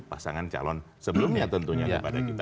pasangan calon sebelumnya tentunya